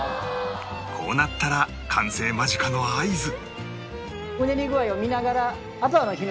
こうなったら完成間近の合図